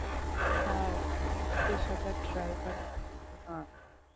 Sir, আমি পেশাদার driver না।